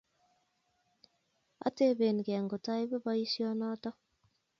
Atepen key ngotaibe boisyo notok.